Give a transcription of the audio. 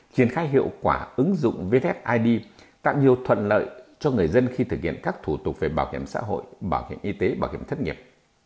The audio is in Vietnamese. triển khai hiệu quả ứng dụng vthid tạo nhiều thuận lợi cho người dân khi thực hiện các thủ tục về bảo hiểm xã hội bảo hiểm y tế bảo hiểm thất nghiệp